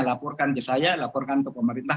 laporkan ke saya laporkan ke pemerintah